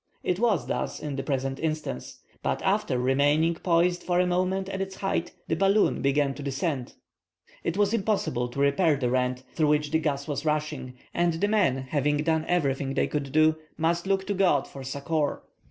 It was thus in the present instance. But after remaining poised for a moment at its height, the balloon began to descend. It was impossible to repair the rent, through which the gas was rushing, and the men having done everything they could do, must look to God for succor.